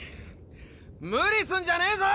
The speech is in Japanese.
無理すんじゃねえぞ！